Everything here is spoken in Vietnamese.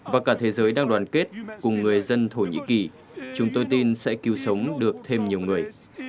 và cả thế giới đang đoàn kết cùng người dân thổ nhĩ kỳ chúng tôi tin sẽ cứu sống được thêm nhiều người